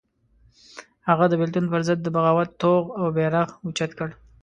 هغه د بېلتون پر ضد د بغاوت توغ او بېرغ اوچت کړ.